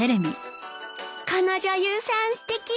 この女優さんすてき。